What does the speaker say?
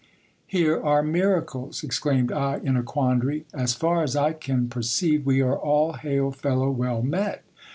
Here are miracles ! exclaimed I in a quandary ; as far as I can perceive, we are all hail fellow well met